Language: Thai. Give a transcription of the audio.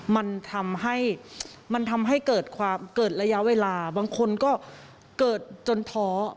มันทำให้เกิดระยะเวลาบางคนก็เกิดจนท้อ